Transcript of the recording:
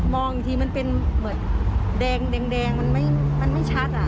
อีกทีมันเป็นเหมือนแดงมันไม่ชัดอ่ะ